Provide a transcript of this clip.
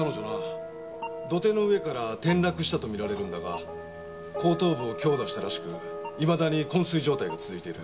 土手の上から転落したと見られるんだが後頭部を強打したらしくいまだにこん睡状態が続いている。